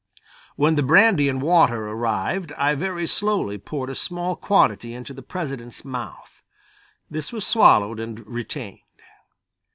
When the brandy and water arrived, I very slowly poured a small quantity into the President's mouth, this was swallowed and retained.